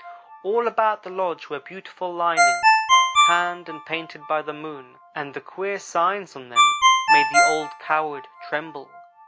"All about the lodge were beautiful linings, tanned and painted by the Moon, and the queer signs on them made the old coward tremble.